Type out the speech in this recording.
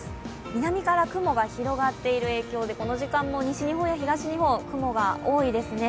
南から雲が広がっている影響でこの時間も西日本や東日本、雲が多いですね。